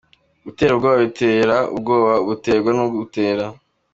Gutera ubwoba bitera ubwoba ubuterwa n’ubutera.